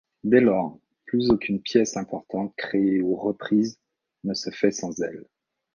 Dès lors, plus aucune pièce importante, créée ou reprise, ne se fait sans elle.